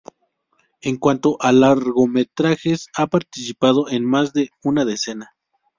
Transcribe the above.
En cuanto a largometrajes, ha participado en más de una decena.